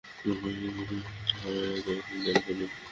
আমাদেরকে তাঁর মত জীবন গড়ার তাওফীক দান করুন।